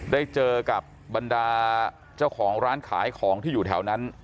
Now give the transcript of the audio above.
ได้เจอกับบรรดาเจ้าของร้านขายของที่อยู่แถวนั้น